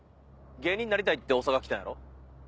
芸人なりたいって大阪来たんやろ？